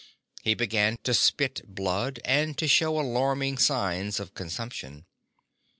He began to spit blood and to show alarming signs of consumption.